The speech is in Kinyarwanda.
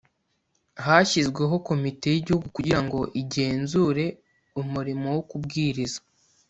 Hashyizweho komite y igihugu kugira ngo igenzure umurimo wo kubwiriza